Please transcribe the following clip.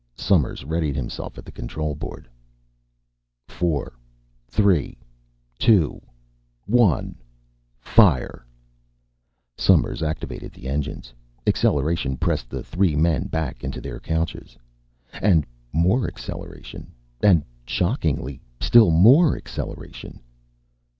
Somers readied himself at the control board. "Four three two one fire!" Somers activated the engines. Acceleration pressed the three men back into their couches, and more acceleration, and shockingly still more acceleration.